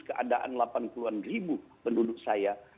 keadaan delapan puluh an ribu penduduk saya